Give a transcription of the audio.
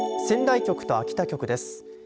仙台局と秋田局です。